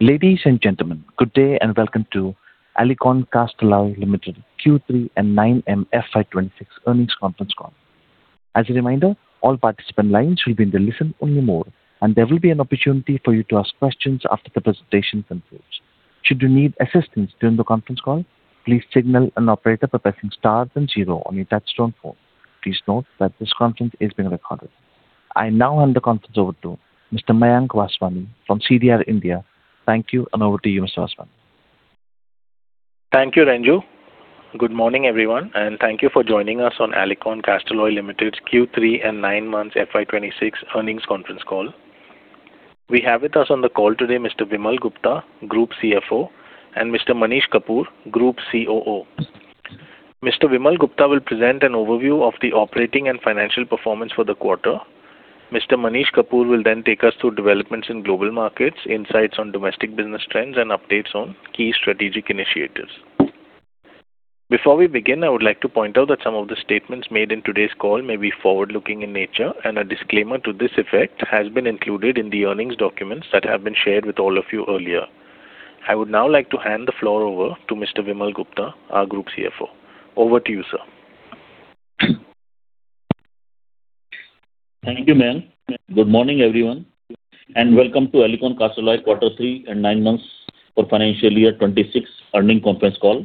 Ladies and gentlemen, good day, and welcome to Alicon Castalloy Limited Q3 and 9M FY 2026 earnings conference call. As a reminder, all participant lines will be in the listen-only mode, and there will be an opportunity for you to ask questions after the presentation concludes. Should you need assistance during the conference call, please signal an operator by pressing star then zero on your touch-tone phone. Please note that this conference is being recorded. I now hand the conference over to Mr. Mayank Vaswani from CDR India. Thank you, and over to you, Mr. Vaswani. Thank you, Renju. Good morning, everyone, and thank you for joining us on Alicon Castalloy Limited's Q3 and nine months FY 2026 earnings conference call. We have with us on the call today Mr. Vimal Gupta, Group CFO, and Mr. Manish Kapoor, Group COO. Mr. Vimal Gupta will present an overview of the operating and financial performance for the quarter. Mr. Manish Kapoor will then take us through developments in global markets, insights on domestic business trends, and updates on key strategic initiatives. Before we begin, I would like to point out that some of the statements made in today's call may be forward-looking in nature, and a disclaimer to this effect has been included in the earnings documents that have been shared with all of you earlier. I would now like to hand the floor over to Mr. Vimal Gupta, our Group CFO. Over to you, sir. Thank you, Mayank. Good morning, everyone, and welcome to Alicon Castalloy quarter three and nine months for financial year 2026 earnings conference call.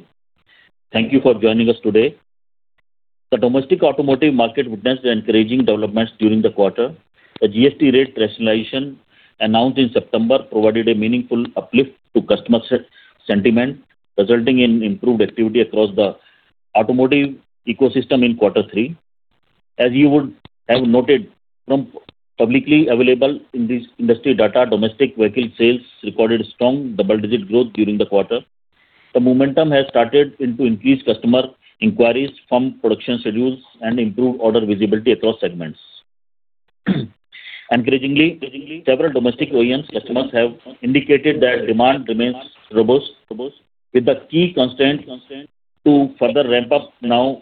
Thank you for joining us today. The domestic automotive market witnessed encouraging developments during the quarter. The GST rate rationalization announced in September provided a meaningful uplift to customer sentiment, resulting in improved activity across the automotive ecosystem in quarter three. As you would have noted from publicly available industry data, domestic vehicle sales recorded strong double-digit growth during the quarter. The momentum has translated into increased customer inquiries from production schedules and improved order visibility across segments. Encouragingly, several domestic OEM customers have indicated that demand remains robust, with the key constraint to further ramp up now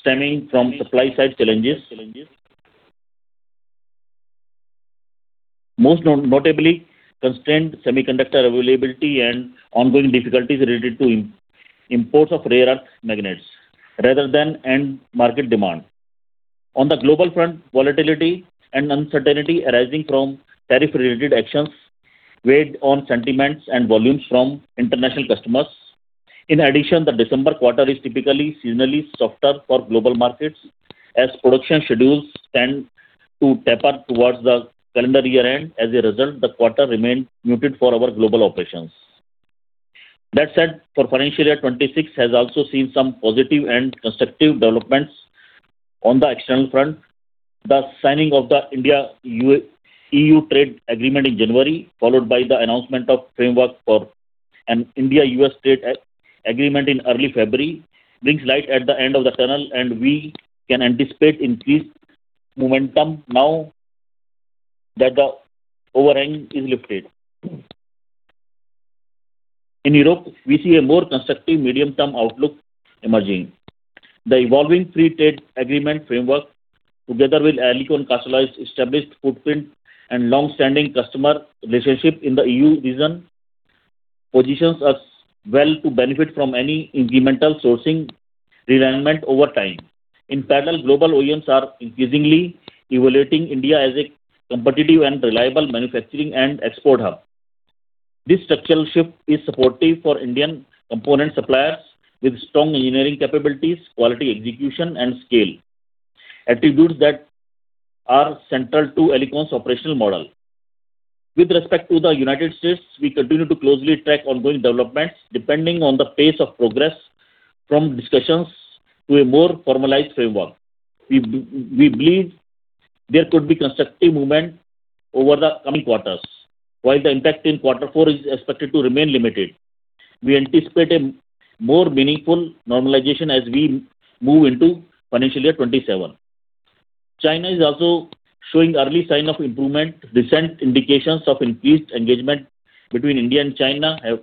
stemming from supply-side challenges. Most notably, constrained semiconductor availability and ongoing difficulties related to imports of rare earth magnets rather than end market demand. On the global front, volatility and uncertainty arising from tariff-related actions weighed on sentiments and volumes from international customers. In addition, the December quarter is typically seasonally softer for global markets as production schedules tend to taper towards the calendar year end. As a result, the quarter remained muted for our global operations. That said, for financial year 2026 has also seen some positive and constructive developments on the external front. The signing of the India-EU trade agreement in January, followed by the announcement of framework for an India-US trade agreement in early February, brings light at the end of the tunnel, and we can anticipate increased momentum now that the overhang is lifted. In Europe, we see a more constructive medium-term outlook emerging. The evolving free trade agreement framework, together with Alicon Castalloy's established footprint and long-standing customer relationship in the EU region, positions us well to benefit from any incremental sourcing realignment over time. In parallel, global OEMs are increasingly evaluating India as a competitive and reliable manufacturing and export hub. This structural shift is supportive for Indian component suppliers with strong engineering capabilities, quality execution, and scale, attributes that are central to Alicon's operational model. With respect to the United States, we continue to closely track ongoing developments, depending on the pace of progress from discussions to a more formalized framework. We believe there could be constructive movement over the coming quarters. While the impact in quarter four is expected to remain limited, we anticipate a more meaningful normalization as we move into financial year 2027. China is also showing early sign of improvement. Recent indications of increased engagement between India and China have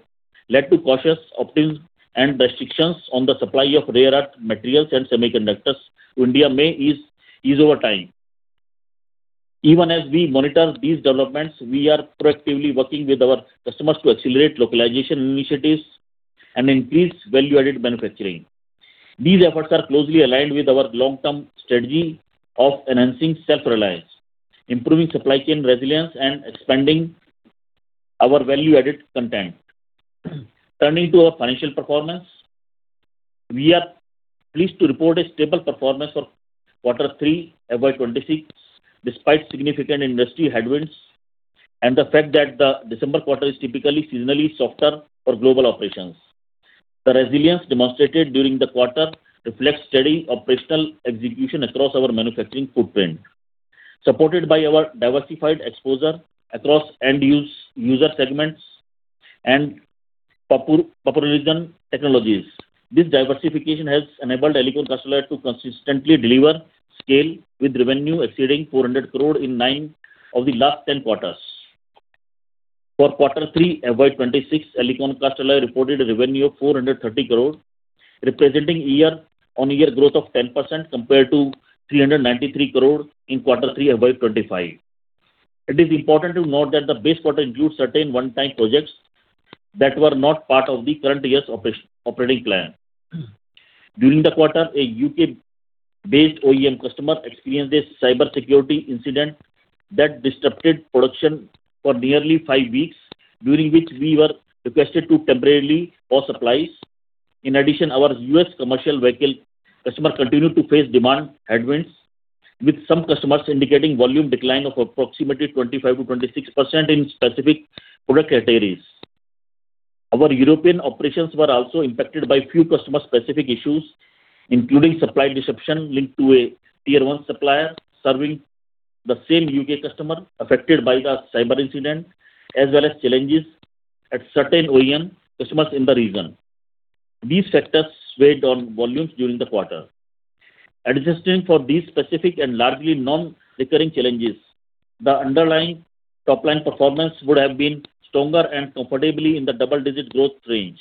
led to cautious optimism, and restrictions on the supply of rare earth materials and semiconductors to India may ease over time. Even as we monitor these developments, we are proactively working with our customers to accelerate localization initiatives and increase value-added manufacturing. These efforts are closely aligned with our long-term strategy of enhancing self-reliance, improving supply chain resilience, and expanding our value-added content. Turning to our financial performance, we are pleased to report a stable performance for Quarter 3 FY 2026, despite significant industry headwinds and the fact that the December quarter is typically seasonally softer for global operations. The resilience demonstrated during the quarter reflects steady operational execution across our manufacturing footprint, supported by our diversified exposure across end-user segments and popular technologies. This diversification has enabled Alicon Castalloy to consistently deliver scale, with revenue exceeding 400 crore in nine of the last 10 quarters. For quarter three FY 2026, Alicon Castalloy reported a revenue of 430 crore, representing year-on-year growth of 10% compared to 393 crore in quarter three FY 2025. It is important to note that the base quarter includes certain one-time projects that were not part of the current year's operating plan. During the quarter, a U.K. based OEM customer experienced a cybersecurity incident that disrupted production for nearly five weeks, during which we were requested to temporarily pause supplies. In addition, our U.S. commercial vehicle customer continued to face demand headwinds, with some customers indicating volume decline of approximately 25%-26% in specific product categories. Our European operations were also impacted by few customer-specific issues, including supply disruption linked to a Tier 1 supplier serving the same U.K. customer affected by the cyber incident, as well as challenges at certain OEM customers in the region. These factors weighed on volumes during the quarter. Adjusting for these specific and largely non-recurring challenges, the underlying top line performance would have been stronger and comfortably in the double-digit growth range,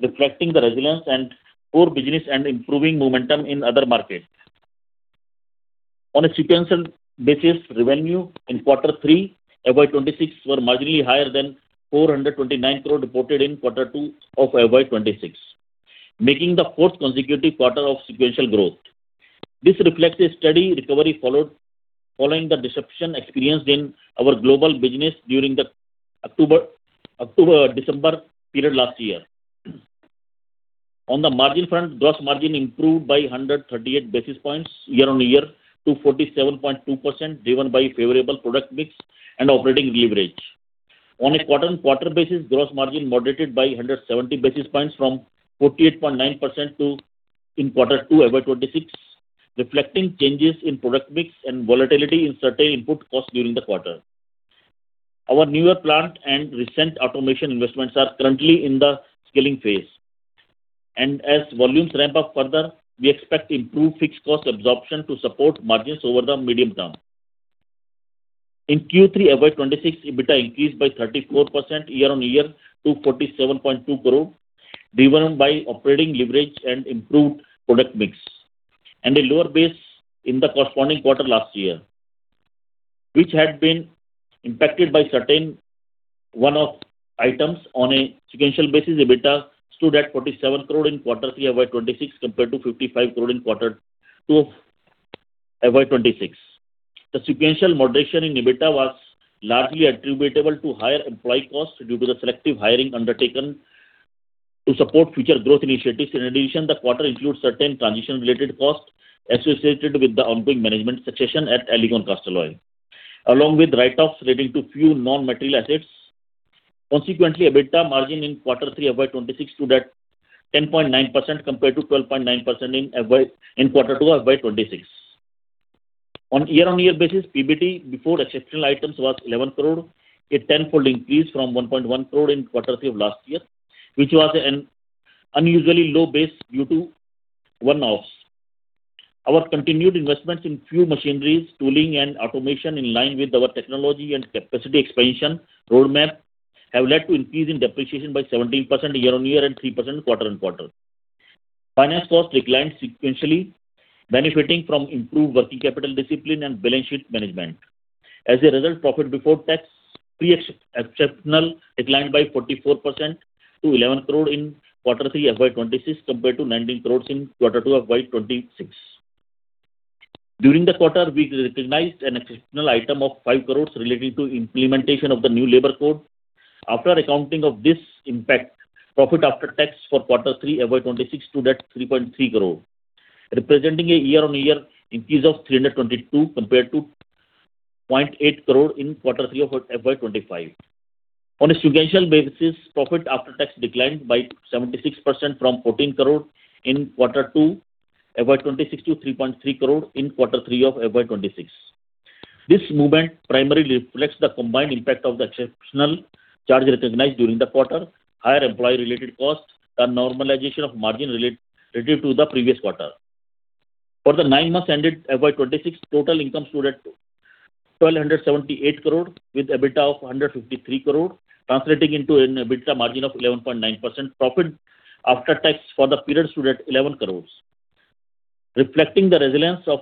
reflecting the resilience and core business and improving momentum in other markets. On a sequential basis, revenue in Quarter 3 FY 2026 were marginally higher than 429 crore reported in Quarter 2 of FY 2026, making the fourth consecutive quarter of sequential growth. This reflects a steady recovery following the disruption experienced in our global business during the October-December period last year. On the margin front, gross margin improved by 138 basis points year-on-year to 47.2%, driven by favorable product mix and operating leverage. On a quarter-on-quarter basis, gross margin moderated by 170 basis points from 48.9% to in Quarter 2 FY 2026, reflecting changes in product mix and volatility in certain input costs during the quarter. Our newer plant and recent automation investments are currently in the scaling phase. As volumes ramp up further, we expect improved fixed cost absorption to support margins over the medium term. In Q3 FY 2026, EBITDA increased by 34% year-on-year to 47.2 crores, driven by operating leverage and improved product mix, and a lower base in the corresponding quarter last year, which had been impacted by certain one-off items on a sequential basis. EBITDA stood at 47 crore in Quarter 3 FY 2026, compared to 55 crore in Quarter 2 FY 2026. The sequential moderation in EBITDA was largely attributable to higher employee costs due to the selective hiring undertaken to support future growth initiatives. In addition, the quarter includes certain transition-related costs associated with the ongoing management succession at Alicon Castalloy, along with write-offs relating to few non-material assets. Consequently, EBITDA margin in Quarter 3 FY 2026 stood at 10.9%, compared to 12.9% in Quarter 2 FY 2026. On a year-on-year basis, PBT before exceptional items was 11 crore, a tenfold increase from 1.1 crore in Quarter 3 of last year, which was an unusually low base due to one-offs. Our continued investments in few machineries, tooling, and automation, in line with our technology and capacity expansion roadmap, have led to increase in depreciation by 17% year-on-year and 3% quarter-on-quarter. Finance costs declined sequentially, benefiting from improved working capital discipline and balance sheet management. As a result, profit before tax, pre-exceptional, declined by 44% to 11 crore in Quarter 3 FY 2026, compared to 19 crore in Quarter 2 of FY 2026. During the quarter, we recognized an exceptional item of 5 crore relating to implementation of the new labor code. After accounting of this impact, profit after tax for Quarter 3 FY 2026 stood at 3.3 crore, representing a year-on-year increase of 322, compared to 0.8 crore in Quarter 3 of FY 2025. On a sequential basis, profit after tax declined by 76% from 14 crore in Quarter 2 FY 2026 to 3.3 crore in Quarter 3 of FY 2026. This movement primarily reflects the combined impact of the exceptional charges recognized during the quarter, higher employee-related costs, and normalization of margin relative to the previous quarter. For the nine months ended FY 2026, total income stood at 1,278 crore, with EBITDA of 153 crore, translating into an EBITDA margin of 11.9%. Profit after tax for the period stood at 11 crore, reflecting the resilience of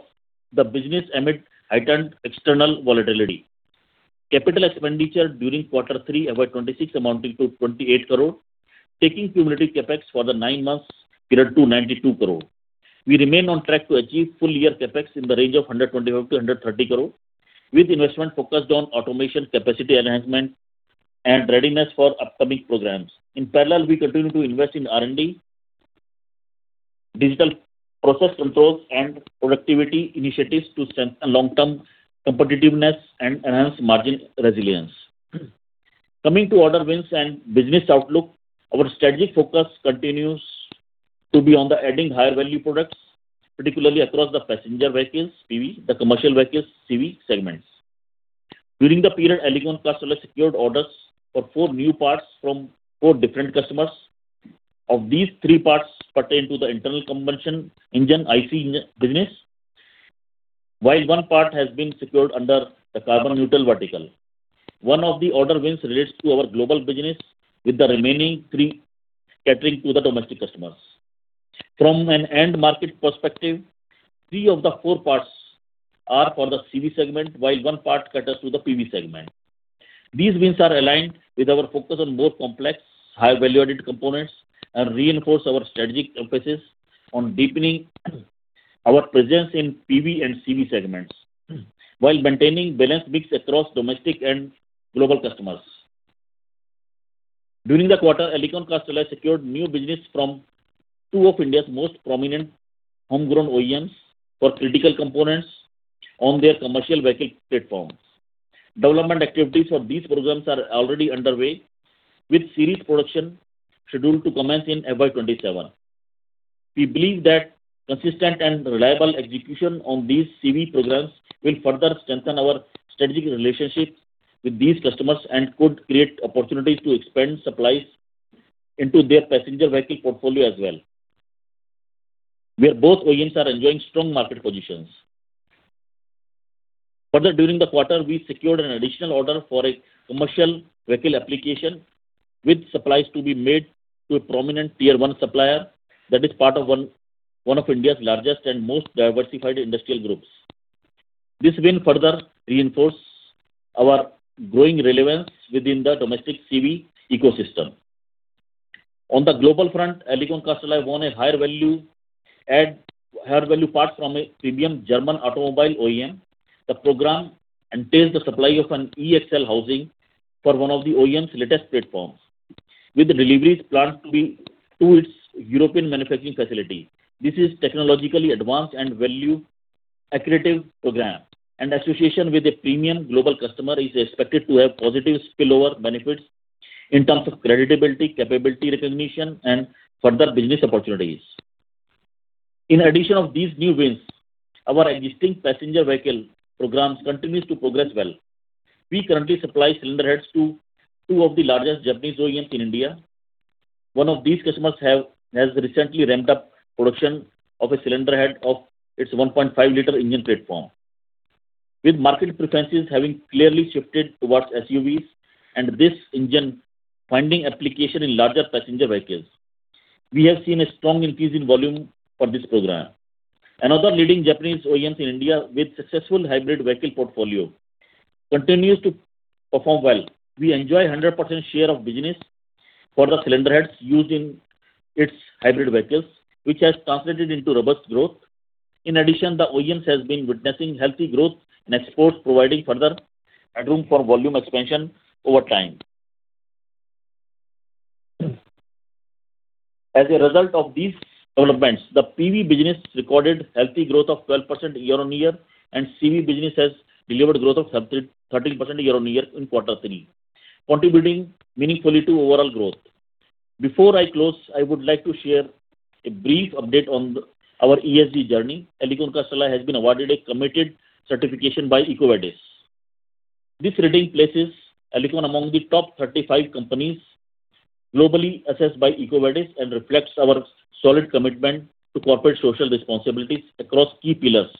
the business amid heightened external volatility. Capital expenditure during Quarter 3 FY 2026 amounting to 28 crore, taking cumulative CapEx for the nine months period to 92 crore. We remain on track to achieve full year CapEx in the range of 125 crore-130 crore, with investment focused on automation, capacity enhancement, and readiness for upcoming programs. In parallel, we continue to invest in R&D, digital process controls, and productivity initiatives to strengthen long-term competitiveness and enhance margin resilience. Coming to order wins and business outlook, our strategic focus continues to be on adding higher value products, particularly across the passenger vehicles, PV, the commercial vehicles, CV segments. During the period, Alicon Castalloy secured orders for four new parts from four different customers. Of these, three parts pertain to the internal combustion engine, ICE, business. While one part has been secured under the Carbon Neutral vertical. One of the order wins relates to our global business, with the remaining three catering to the domestic customers. From an end market perspective, three of the four parts are for the CV segment, while one part caters to the PV segment. These wins are aligned with our focus on more complex, high value-added components, and reinforce our strategic emphasis on deepening our presence in PV and CV segments, while maintaining balanced mix across domestic and global customers. During the quarter, Alicon Castalloy secured new business from two of India's most prominent homegrown OEMs for critical components on their commercial vehicle platforms. Development activities for these programs are already underway, with series production scheduled to commence in FY 2027. We believe that consistent and reliable execution on these CV programs will further strengthen our strategic relationships with these customers, and could create opportunities to expand supplies into their passenger vehicle portfolio as well, where both OEMs are enjoying strong market positions. Further, during the quarter, we secured an additional order for a commercial vehicle application, with supplies to be made to a prominent Tier 1 supplier that is part of one of India's largest and most diversified industrial groups. This will further reinforce our growing relevance within the domestic CV ecosystem. On the global front, Alicon Castalloy won a higher value add, higher value parts from a premium German automobile OEM. The program entails the supply of an E-Axle housing for one of the OEM's latest platforms, with the deliveries planned to be to its European manufacturing facility. This is technologically advanced and value accretive program, and association with a premium global customer is expected to have positive spillover benefits in terms of credibility, capability recognition, and further business opportunities. In addition of these new wins, our existing passenger vehicle programs continues to progress well. We currently supply cylinder heads to two of the largest Japanese OEMs in India. One of these customers have recently ramped up production of a cylinder head of its 1.5-liter engine platform. With market preferences having clearly shifted towards SUVs and this engine finding application in larger passenger vehicles, we have seen a strong increase in volume for this program. Another leading Japanese OEM in India, with successful hybrid vehicle portfolio, continues to perform well. We enjoy 100% share of business for the cylinder heads used in its hybrid vehicles, which has translated into robust growth. In addition, the OEMs has been witnessing healthy growth in exports, providing further headroom for volume expansion over time. As a result of these developments, the PV business recorded healthy growth of 12% year-on-year, and CV business has delivered growth of 13, 13% year-on-year in quarter three, contributing meaningfully to overall growth. Before I close, I would like to share a brief update on our ESG journey. Alicon Castalloy has been awarded a Committed certification by EcoVadis. This rating places Alicon among the top 35 companies globally assessed by EcoVadis, and reflects our solid commitment to corporate social responsibilities across key pillars,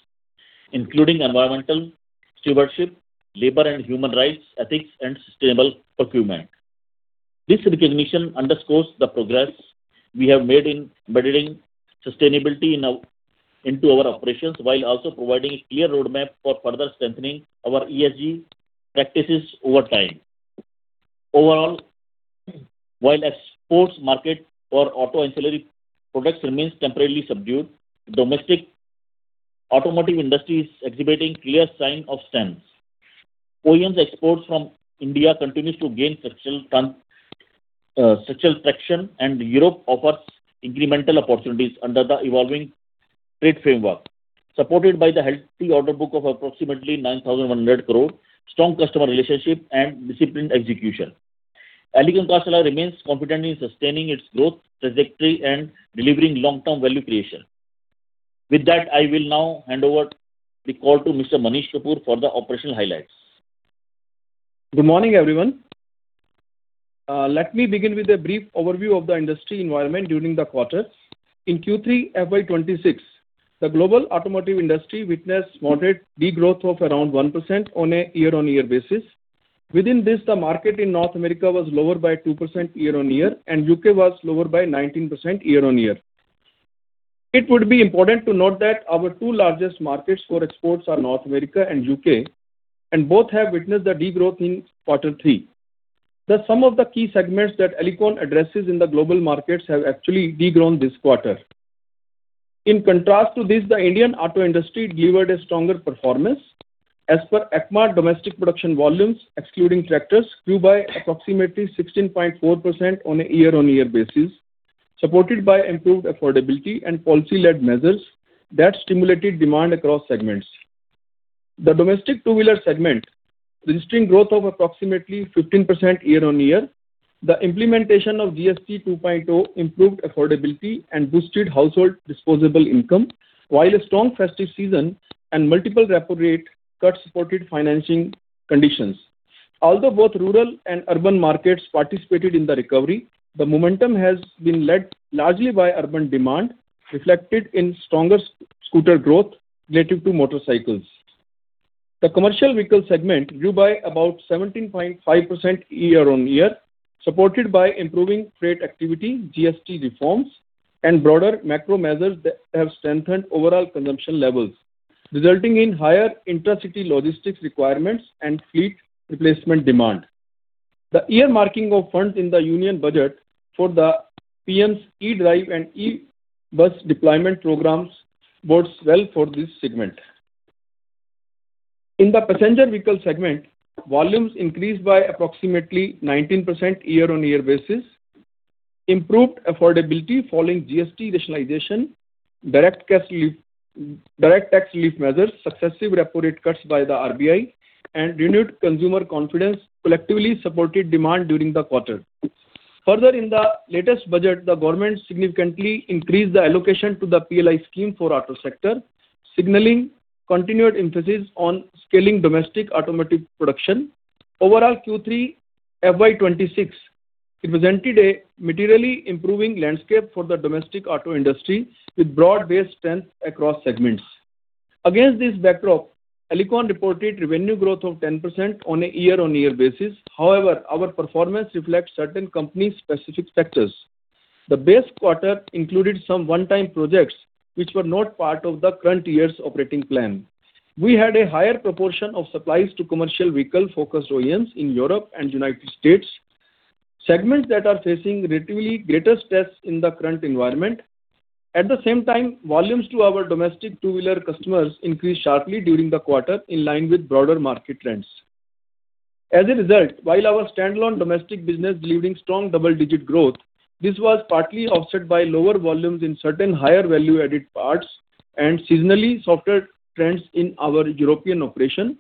including environmental stewardship, labor and human rights, ethics, and sustainable procurement. This recognition underscores the progress we have made in embedding sustainability into our operations, while also providing a clear roadmap for further strengthening our ESG practices over time. Overall, while exports market for auto ancillary products remains temporarily subdued, domestic automotive industry is exhibiting clear sign of strength. OEMs exports from India continues to gain substantial traction, and Europe offers incremental opportunities under the evolving trade framework, supported by the healthy order book of approximately 9,100 crore, strong customer relationship and disciplined execution. Alicon Castalloy remains confident in sustaining its growth, trajectory, and delivering long-term value creation. With that, I will now hand over the call to Mr. Manish Kapoor for the operational highlights. Good morning, everyone. Let me begin with a brief overview of the industry environment during the quarter. In Q3 FY 2026, the global automotive industry witnessed moderate degrowth of around 1% on a year-over-year basis. Within this, the market in North America was lower by 2% year-over-year, and U.K. was lower by 19% year-over-year. It would be important to note that our two largest markets for exports are North America and U.K., and both have witnessed a degrowth in quarter three. The sum of the key segments that Alicon addresses in the global markets have actually de-grown this quarter. In contrast to this, the Indian auto industry delivered a stronger performance. As per SIAM, domestic production volumes, excluding tractors, grew by approximately 16.4% on a year-over-year basis, supported by improved affordability and policy-led measures that stimulated demand across segments. The domestic two-wheeler segment registering growth of approximately 15% year-on-year. The implementation of GST 2.0 improved affordability and boosted household disposable income, while a strong festive season and multiple repo rate cuts supported financing conditions. Although both rural and urban markets participated in the recovery, the momentum has been led largely by urban demand, reflected in stronger scooter growth relative to motorcycles. The commercial vehicle segment grew by about 17.5% year-on-year, supported by improving freight activity, GST reforms, and broader macro measures that have strengthened overall consumption levels, resulting in higher intracity logistics requirements and fleet replacement demand. The earmarking of funds in the Union Budget for the PM E-DRIVE and e-bus deployment programs bodes well for this segment. In the passenger vehicle segment, volumes increased by approximately 19% year-on-year basis. Improved affordability following GST rationalization, direct cash relief, direct tax relief measures, successive repo rate cuts by the RBI, and renewed consumer confidence collectively supported demand during the quarter. Further, in the latest budget, the government significantly increased the allocation to the PLI scheme for auto sector, signaling continued emphasis on scaling domestic automotive production. Overall, Q3 FY2026 represented a materially improving landscape for the domestic auto industry, with broad-based strength across segments. Against this backdrop, Alicon reported revenue growth of 10% on a year-on-year basis. However, our performance reflects certain company-specific factors. The base quarter included some one-time projects, which were not part of the current year's operating plan. We had a higher proportion of supplies to commercial vehicle-focused OEMs in Europe and United States, segments that are facing relatively greater stress in the current environment. At the same time, volumes to our domestic two-wheeler customers increased sharply during the quarter, in line with broader market trends. As a result, while our standalone domestic business delivering strong double-digit growth, this was partly offset by lower volumes in certain higher value-added parts and seasonally softer trends in our European operation.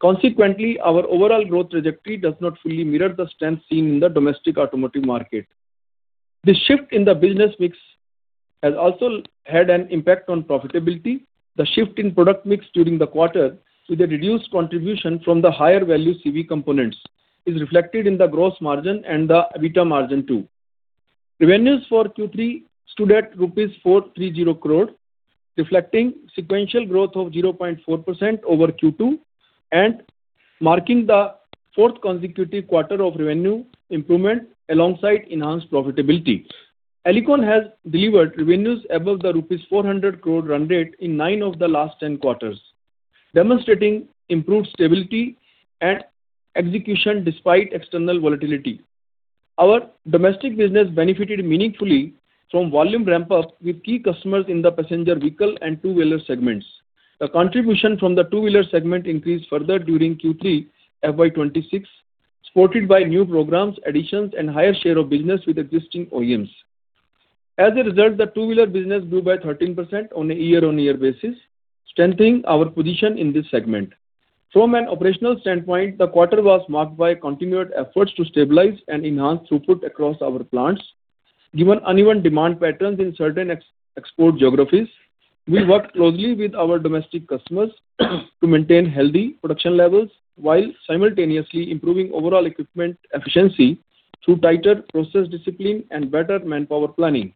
Consequently, our overall growth trajectory does not fully mirror the strength seen in the domestic automotive market. The shift in the business mix has also had an impact on profitability. The shift in product mix during the quarter, with a reduced contribution from the higher value CV components, is reflected in the gross margin and the EBITDA margin, too. Revenues for Q3 stood at 430 crore rupees, reflecting sequential growth of 0.4% over Q2 and marking the fourth consecutive quarter of revenue improvement alongside enhanced profitability. Alicon has delivered revenues above the rupees 400 crore run rate in nine of the last 10 quarters, demonstrating improved stability and execution despite external volatility. Our domestic business benefited meaningfully from volume ramp-up with key customers in the passenger vehicle and two-wheeler segments. The contribution from the two-wheeler segment increased further during Q3 FY 2026, supported by new programs, additions, and higher share of business with existing OEMs. As a result, the two-wheeler business grew by 13% on a year-on-year basis, strengthening our position in this segment. From an operational standpoint, the quarter was marked by continued efforts to stabilize and enhance throughput across our plants. Given uneven demand patterns in certain ex-export geographies, we worked closely with our domestic customers to maintain healthy production levels while simultaneously improving overall equipment efficiency through tighter process discipline and better manpower planning.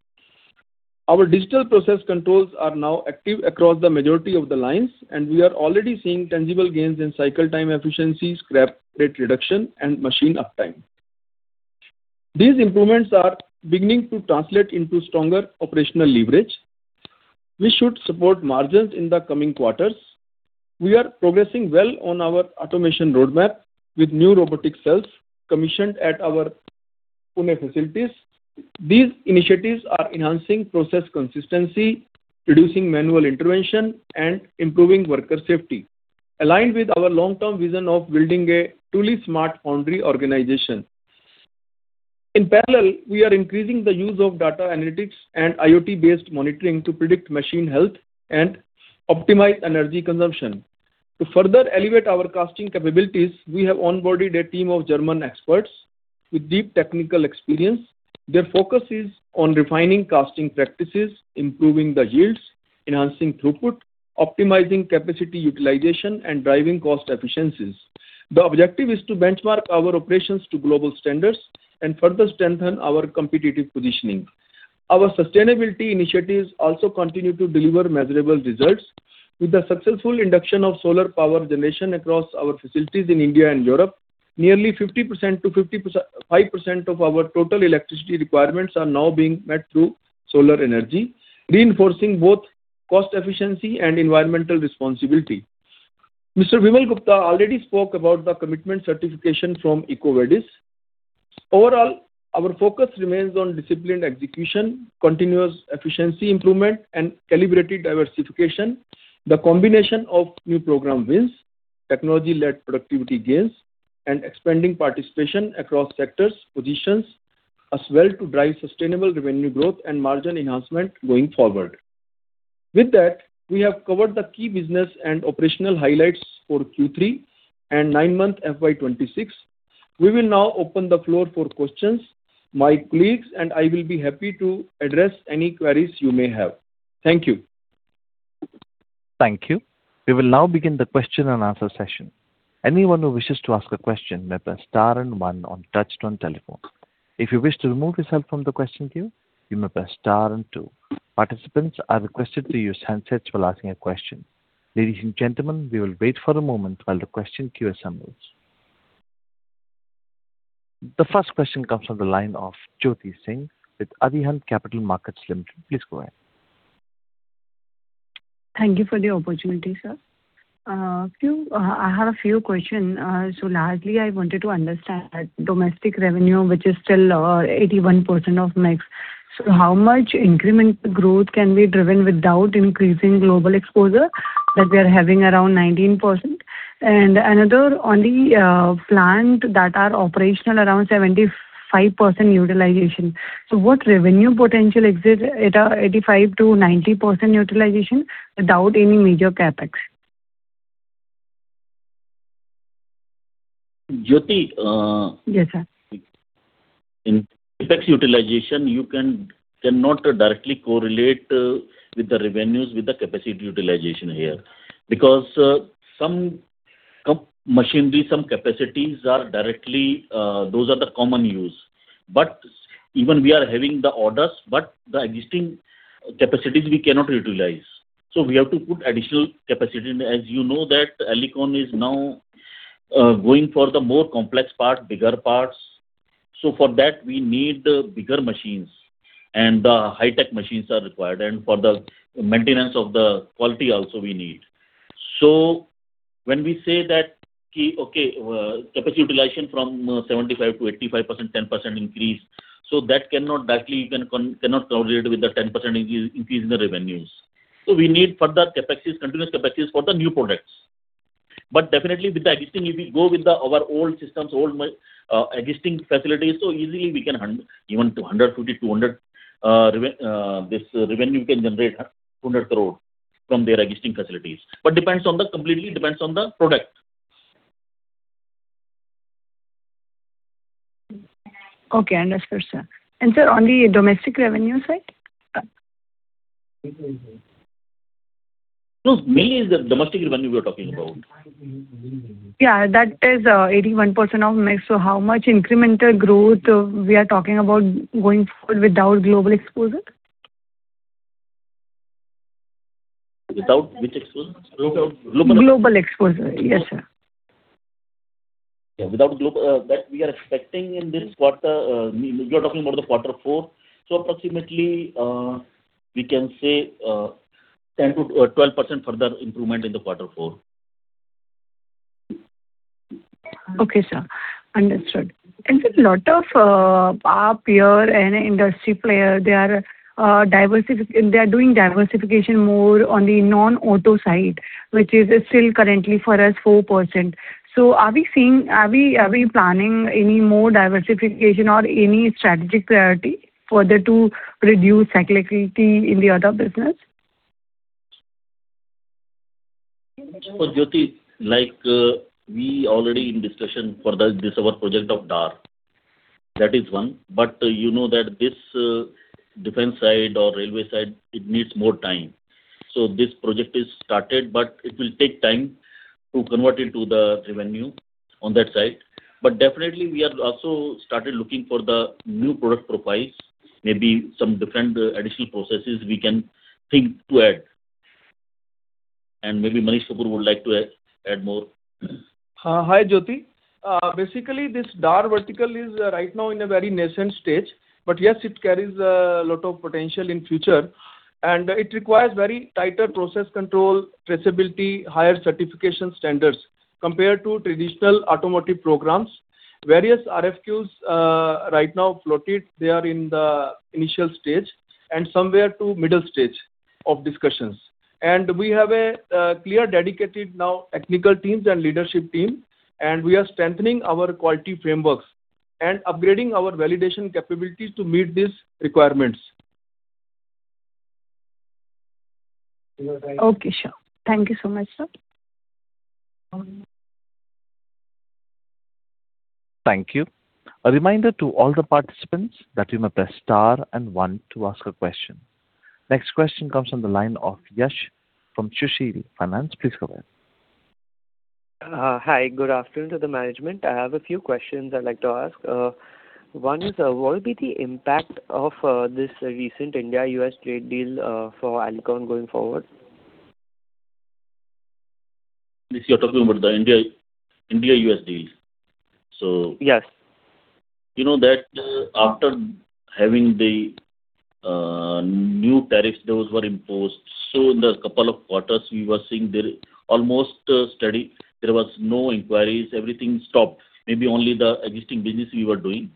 Our digital process controls are now active across the majority of the lines, and we are already seeing tangible gains in cycle time efficiency, scrap rate reduction, and machine uptime. These improvements are beginning to translate into stronger operational leverage, which should support margins in the coming quarters. We are progressing well on our automation roadmap with new robotic cells commissioned at our Pune facilities. These initiatives are enhancing process consistency, reducing manual intervention, and improving worker safety, aligned with our long-term vision of building a truly smart foundry organization. In parallel, we are increasing the use of data analytics and IoT-based monitoring to predict machine health and optimize energy consumption. To further elevate our casting capabilities, we have onboarded a team of German experts with deep technical experience. Their focus is on refining casting practices, improving the yields, enhancing throughput, optimizing capacity utilization, and driving cost efficiencies. The objective is to benchmark our operations to global standards and further strengthen our competitive positioning. Our sustainability initiatives also continue to deliver measurable results. With the successful induction of solar power generation across our facilities in India and Europe, nearly 50%-55% of our total electricity requirements are now being met through solar energy, reinforcing both cost efficiency and environmental responsibility. Mr. Vimal Gupta already spoke about the commitment certification from EcoVadis. Overall, our focus remains on disciplined execution, continuous efficiency improvement, and calibrated diversification. The combination of new program wins, technology-led productivity gains, and expanding participation across sectors positions us well to drive sustainable revenue growth and margin enhancement going forward. With that, we have covered the key business and operational highlights for Q3 and nine-month FY 2026. We will now open the floor for questions. My colleagues and I will be happy to address any queries you may have. Thank you. Thank you. We will now begin the question and answer session. Anyone who wishes to ask a question may press star and one on touchtone telephone. If you wish to remove yourself from the question queue, you may press star and two. Participants are requested to use handsets while asking a question. Ladies and gentlemen, we will wait for a moment while the question queue assembles. The first question comes from the line of Jyoti Singh with Arihant Capital Markets Limited. Please go ahead. Thank you for the opportunity, sir. I have a few questions. So largely I wanted to understand domestic revenue, which is still 81% of mix. So how much incremental growth can be driven without increasing global exposure, that we are having around 19%? And another, on the plant that are operational around 75% utilization. So what revenue potential exists at 85%-90% utilization without any major CapEx? Jyoti, uh- Yes, sir. In CapEx utilization, you can, cannot directly correlate with the revenues with the capacity utilization here. Because some machinery, some capacities are directly, those are the common use. But even we are having the orders, but the existing capacities we cannot utilize, so we have to put additional capacity. As you know that Alicon is now going for the more complex part, bigger parts. So for that, we need bigger machines and the high-tech machines are required, and for the maintenance of the quality also we need. So when we say that, okay, capacity utilization from 75%-85%, 10% increase, so that cannot directly, you can con- cannot correlate with the 10% increase in the revenues. So we need further CapEx, continuous CapEx for the new products. But definitely with the existing, if we go with the our old systems, old existing facilities, so easily we can even 250, 200 this revenue can generate 100 crore from their existing facilities. But depends on the, completely depends on the product. Okay, understood, sir. Sir, on the domestic revenue side? No, mainly is the domestic revenue we are talking about. Yeah, that is, 81% of mix. So how much incremental growth we are talking about going forward without global exposure? Without which exposure? Global, global. Global exposure. Yes, sir. Yeah, without global, that we are expecting in this quarter, we are talking about the quarter four. So approximately, we can say 10%-12% further improvement in the quarter four. Okay, sir. Understood. And sir, a lot of our peer and industry player, they are doing diversification more on the non-auto side, which is still currently for us 4%. So are we seeing, are we, are we planning any more diversification or any strategic priority further to reduce cyclicity in the auto business? So, Jyoti, like, we already in discussion for the, this our project of DAR. That is one, but you know that this, defense side or railway side, it needs more time. So this project is started, but it will take time to convert it to the revenue on that side. But definitely, we have also started looking for the new product profiles, maybe some different additional processes we can think to add. And maybe Manish Kapoor would like to add, add more. Hi, Jyoti. Basically this DAR vertical is right now in a very nascent stage, but yes, it carries a lot of potential in future, and it requires very tighter process control, traceability, higher certification standards compared to traditional automotive programs. Various RFQs right now floated, they are in the initial stage and somewhere to middle stage of discussions. We have a clear dedicated now technical teams and leadership team, and we are strengthening our quality frameworks and upgrading our validation capabilities to meet these requirements. Okay, sure. Thank you so much, sir. Thank you. A reminder to all the participants that you may press star and one to ask a question. Next question comes from the line of Yash from Sushil Finance. Please go ahead. Hi, good afternoon to the management. I have a few questions I'd like to ask. One is, what will be the impact of this recent India-U.S. trade deal for Alicon going forward? This, you're talking about the India-US deal. So- Yes. You know that after having the new tariffs, those were imposed. So in the couple of quarters, we were seeing there almost steady. There was no inquiries, everything stopped. Maybe only the existing business we were doing,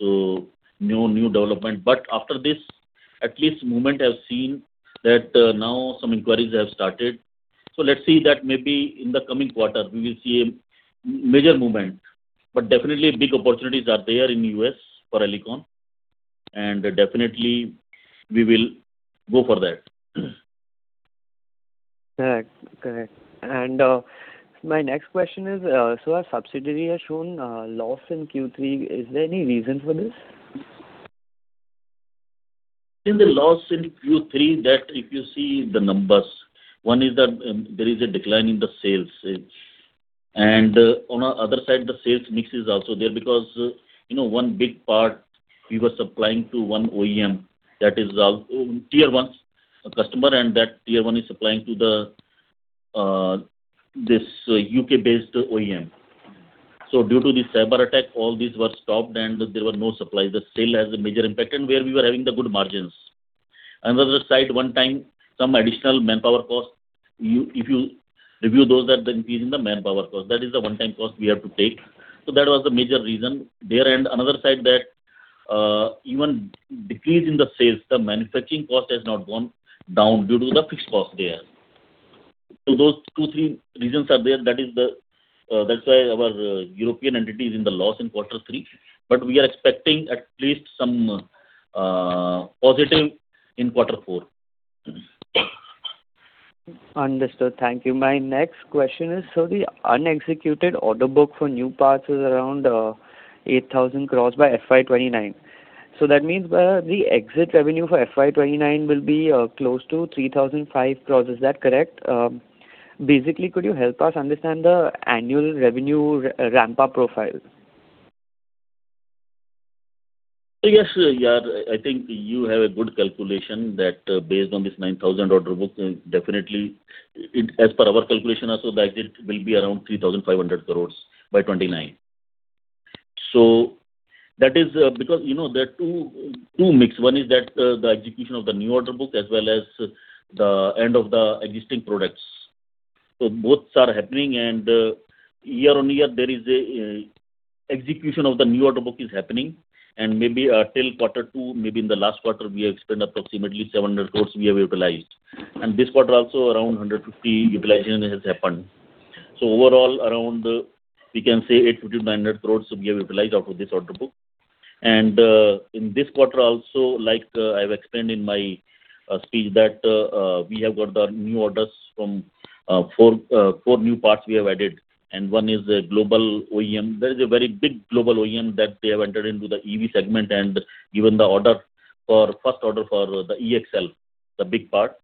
so no new development. But after this, at least moment I've seen that now some inquiries have started. So let's see that maybe in the coming quarter, we will see a major movement. But definitely big opportunities are there in U.S. for Alicon, and definitely we will go for that. Correct. Correct. My next question is, so our subsidiary has shown loss in Q3. Is there any reason for this? In the loss in Q3, that if you see the numbers, one is that, there is a decline in the sales. And on our other side, the sales mix is also there because, you know, one big part we were supplying to one OEM, that is our Tier 1 customer, and that Tier 1 is supplying to the, this U.K. based OEM. So due to the cyberattack, all these were stopped and there were no supplies. That still has a major impact, and where we were having the good margins. Another side, one-time, some additional manpower costs. You, if you review those, that the increase in the manpower cost, that is the one-time cost we have to take. So that was the major reason there. Another side that even decrease in the sales, the manufacturing cost has not gone down due to the fixed cost there. So those two, three reasons are there, that is the, that's why our European entity is in the loss in quarter three, but we are expecting at least some positive in quarter four. Understood. Thank you. My next question is: so the unexecuted order book for new parts is around 8,000 crore by FY 2029. So that means the exit revenue for FY 2029 will be close to 3,005 crore. Is that correct? Basically, could you help us understand the annual revenue ramp-up profile? Yes, yeah. I think you have a good calculation that, based on this 9,000 order book, definitely, it—as per our calculation also, the exit will be around 3,500 crore by 2029. So that is, because, you know, there are two-two mix. One is that, the execution of the new order book, as well as the end of the existing products. So both are happening, and, year-on-year, there is a, execution of the new order book is happening, and maybe, till quarter two, maybe in the last quarter, we have spent approximately 700 crore we have utilized. And this quarter also, around 150 crore utilization has happened. So overall, around, we can say 800-900 crore we have utilized out of this order book. In this quarter also, like, I've explained in my speech, that we have got the new orders from four new parts we have added, and one is a global OEM. There is a very big global OEM that they have entered into the EV segment, and given the order for first order for the EXL, the big part,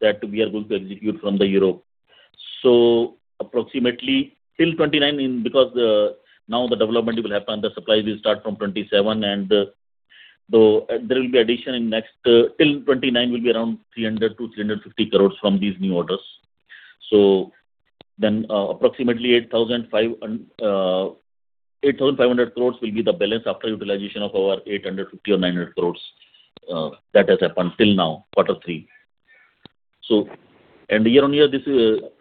that we are going to execute from Europe. So approximately till 2029, because now the development will happen, the supply will start from 2027, and so there will be addition in next, till 2029 will be around 300 crore-350 crore from these new orders. So then, approximately 8,500 crore will be the balance after utilization of our 850-900 crore that has happened till now, quarter three. So, and year-on-year, this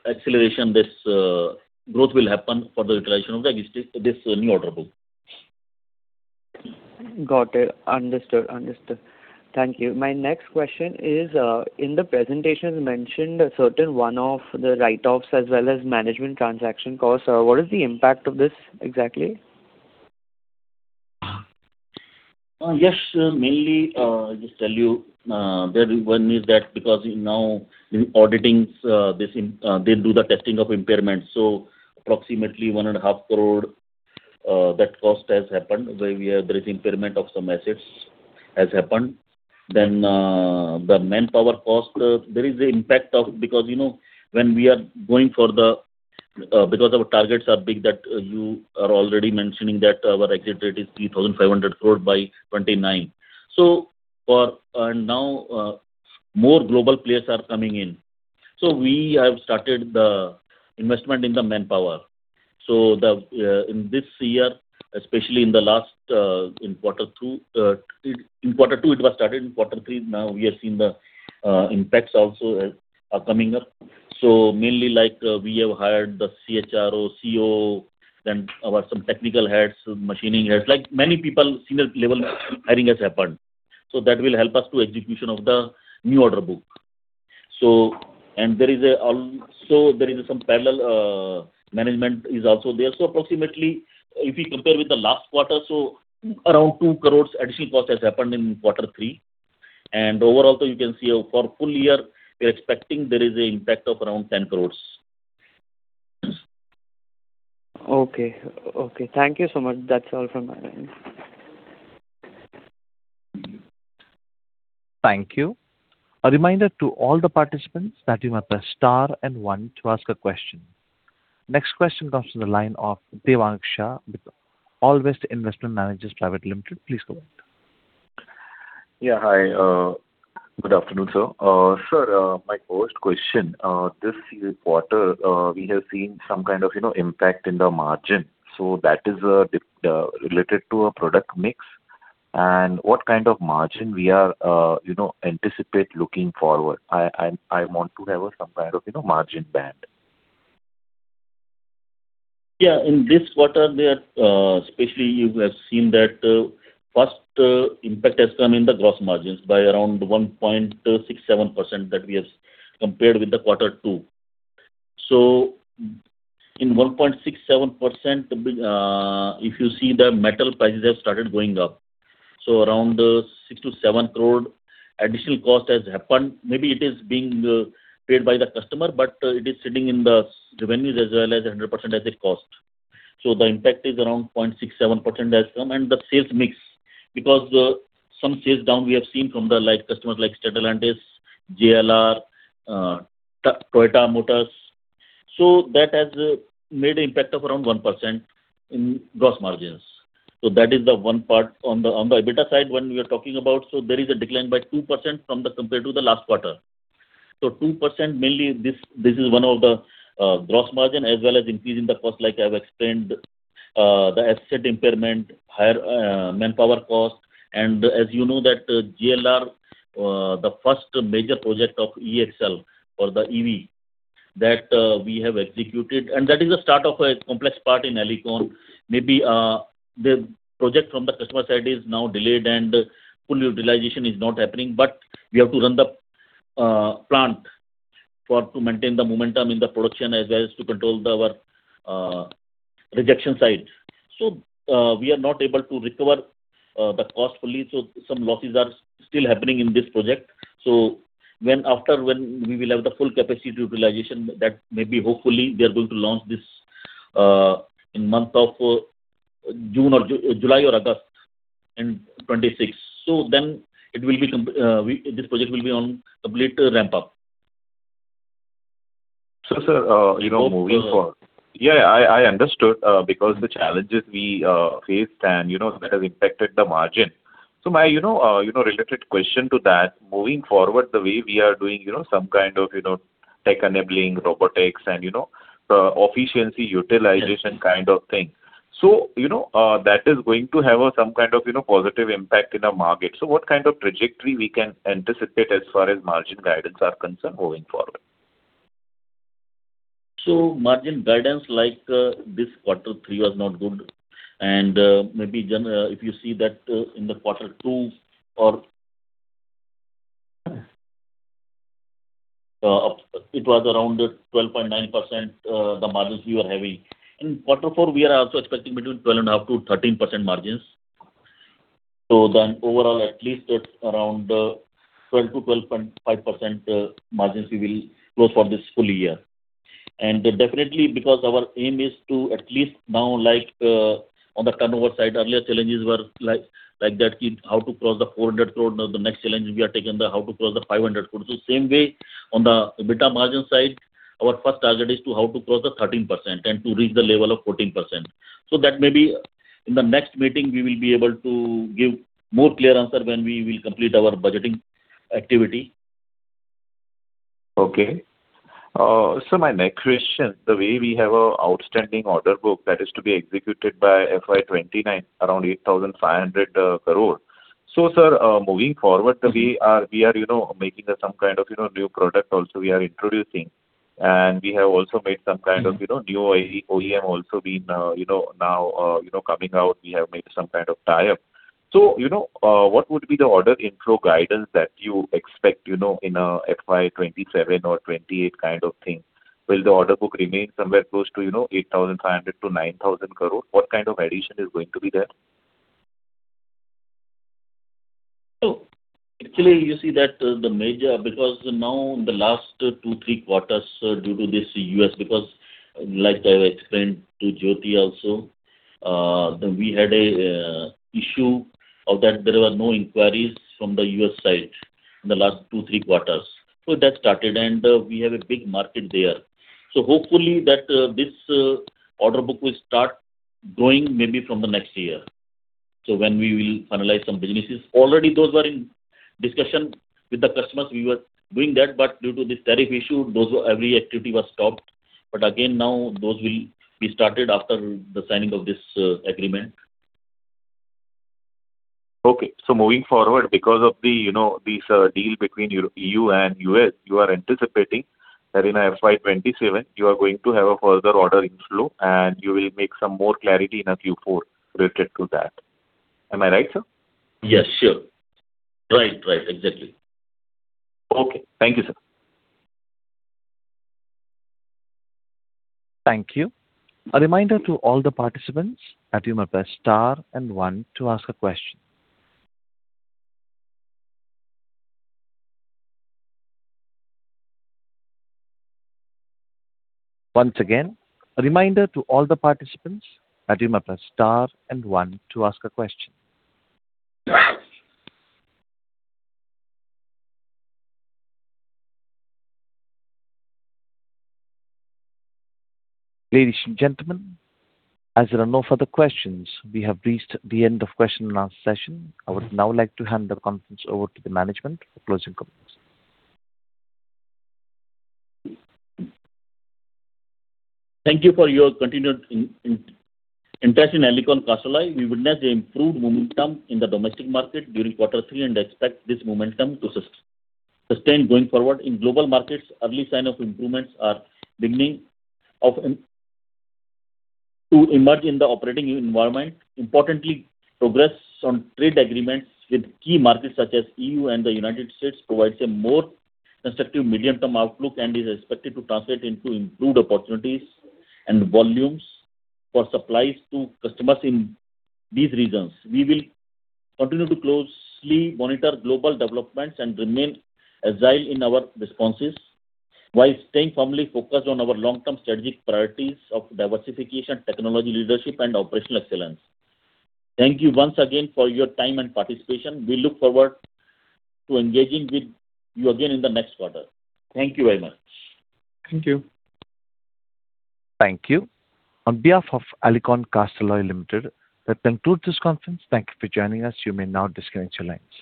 acceleration, this growth will happen for the utilization of the existing, this new order book. Got it. Understood, understood. Thank you. My next question is, in the presentation you mentioned a certain one-off, the write-offs, as well as management transaction costs. What is the impact of this exactly? Yes, mainly, just tell you, that one is that because now the auditors, they seem, they do the testing of impairment. So approximately 1.5 crore, that cost has happened, where we are. There is impairment of some assets has happened. Then, the manpower cost, there is an impact of because, you know, when we are going for the, because our targets are big, that you are already mentioning that our exit rate is 3,500 crore by 2029. So for, now, more global players are coming in. So we have started the investment in the manpower. So the, in this year, especially in the last, in quarter two, in quarter two, it was started. In quarter three, now we are seeing the, impacts also are coming up. So mainly, like, we have hired the CHRO, CEO, then our some technical heads, machining heads, like many people, senior level hiring has happened. So that will help us to execution of the new order book. So, and there is also— So there is some parallel management is also there. So approximately, if you compare with the last quarter, so around 2 crore additional cost has happened in quarter three. And overall, so you can see, for full year, we're expecting there is an impact of around 10 crore. Okay. Okay, thank you so much. That's all from my end. Thank you. A reminder to all the participants that you must press star and one to ask a question. Next question comes from the line of Devang Shah, Alwest Investment Managers Private Limited. Please go ahead. Yeah, hi. Good afternoon, sir. Sir, my first question, this quarter, we have seen some kind of, you know, impact in the margin. So that is related to a product mix. And what kind of margin we are, you know, anticipate looking forward? I want to have some kind of, you know, margin band. Yeah, in this quarter there, especially you have seen that, first, impact has come in the gross margins by around 1.67%, that we have compared with the quarter two. So in 1.67%, if you see the metal prices have started going up. So around, six to seven crore additional cost has happened. Maybe it is being, paid by the customer, but, it is sitting in the revenues as well as 100% asset cost. So the impact is around 0.67% as from, and the sales mix, because, some sales down we have seen from the like, customers like Stellantis, JLR, Toyota Motors. So that has, made an impact of around 1% in gross margins. So that is the one part on the EBITDA side, when we are talking about. So there is a decline by 2% from the compared to the last quarter. So 2%, mainly this, this is one of the gross margin as well as increasing the cost, like I've explained, the asset impairment, higher manpower cost. And as you know that JLR, the first major project of E-Axle for the EV, that we have executed, and that is the start of a complex part in Alicon. Maybe the project from the customer side is now delayed and full utilization is not happening, but we have to run the plant for to maintain the momentum in the production, as well as to control our rejection side. We are not able to recover the cost fully, so some losses are still happening in this project. So when, after, when we will have the full capacity utilization, that maybe hopefully we are going to launch this in month of June or July or August in 2026. So then it will be complete, this project will be on complete ramp up. So, sir, you know, moving forward. Yeah, I understood, because the challenges we faced and, you know, that has impacted the margin. So my, you know, you know, related question to that, moving forward, the way we are doing, you know, some kind of, you know, tech-enabling, robotics and, you know, efficiency, utilization kind of thing. So, you know, that is going to have some kind of, you know, positive impact in the market. So what kind of trajectory we can anticipate as far as margin guidance are concerned going forward? So margin guidance like, this quarter three was not good. And, maybe if you see that, in the quarter two or it was around 12.9%, the margins we were having. In quarter four, we are also expecting between 12.5% and 13% margins. So then overall, at least it's around, 12%-12.5%, margins we will close for this full year. And definitely, because our aim is to at least now, like, on the turnover side, earlier challenges were like, like that, in how to cross the 400 crore. Now, the next challenge we are taking the how to cross the 500 crore. So same way, on the EBITDA margin side, our first target is to how to cross the 13% and to reach the level of 14%. So that maybe in the next meeting, we will be able to give more clear answer when we will complete our budgeting activity. Okay. So my next question, the way we have an outstanding order book that is to be executed by FY 2029, around 8,500 crore. So sir, moving forward, we are, you know, making some kind of, you know, new product also we are introducing, and we have also made some kind of, you know, new OEM also been, you know, now, you know, coming out, we have made some kind of tie-up. So, you know, what would be the order inflow guidance that you expect, you know, in FY 2027 or 2028 kind of thing? Will the order book remain somewhere close to, you know, 8,500-9,000 crore? What kind of addition is going to be there? So actually, you see that the major, because now the last two, three quarters, due to this U.S., because like I explained to Jyoti also, that we had a issue of that there were no inquiries from the U.S. side in the last two, three quarters. So that started, and we have a big market there. So hopefully that this order book will start growing maybe from the next year. So when we will finalize some businesses. Already, those were in discussion with the customers, we were doing that, but due to this tariff issue, those were, every activity was stopped. But again, now those will be started after the signing of this agreement. Okay. So moving forward, because of the, you know, this deal between E.U. and U.S., you are anticipating that in FY 2027, you are going to have a further order inflow, and you will make some more clarity in our Q4 related to that. Am I right, sir? Yes, sure. Right. Right. Exactly. Okay. Thank you, sir. Thank you. A reminder to all the participants that you may press star and one to ask a question. Once again, a reminder to all the participants that you may press star and one to ask a question. Ladies and gentlemen, as there are no further questions, we have reached the end of question and answer session. I would now like to hand the conference over to the management for closing comments. Thank you for your continued interest in Alicon Castalloy. We witness the improved momentum in the domestic market during quarter three, and expect this momentum to sustain going forward. In global markets, early sign of improvements are beginning to emerge in the operating environment. Importantly, progress on trade agreements with key markets such as EU and the United States provides a more constructive medium-term outlook and is expected to translate into improved opportunities and volumes for supplies to customers in these regions. We will continue to closely monitor global developments and remain agile in our responses, while staying firmly focused on our long-term strategic priorities of diversification, technology leadership, and operational excellence. Thank you once again for your time and participation. We look forward to engaging with you again in the next quarter. Thank you very much. Thank you. Thank you. On behalf of Alicon Castalloy Limited, that concludes this conference. Thank you for joining us. You may now disconnect your lines.